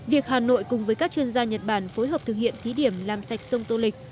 việc hà nội cùng với các chuyên gia nhật bản phối hợp thực hiện thí điểm làm sạch sông tô lịch